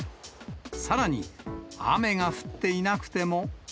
さらに、雨が降っていなくても。